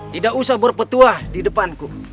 tidak usah berpetua di depanku